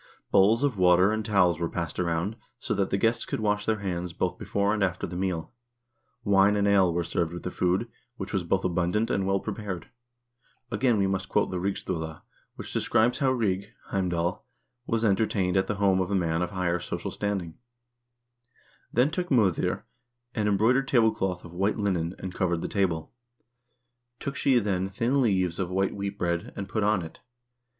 Bowls of water and towels were passed around, so that the guests could wash their hands both before and after the meal. Wine and ale were served with the food, which was both abundant and well prepared. Again we must quote the "Rigsbula," which describes how Rig (Heimdall) was entertained at the home of a man of higher social standing : Then took MoSir > an embroidered tablecloth of white linen, and covered the table ; 1 The lady of the house. 90 HISTORY OF THE NORWEGIAN PEOPLE took she then thin leaves of white wheat bread and put on it.